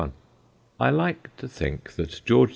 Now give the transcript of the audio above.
I like to think that George IV.